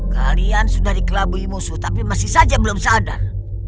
kalian sudah dikelabui musuh tapi masih saja yang belum sadar